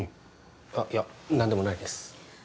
あっいや何でもないです